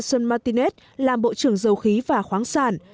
ông maduro cũng bổ nhiệm ông nelson martinez làm bộ trưởng dầu khí và khoáng sản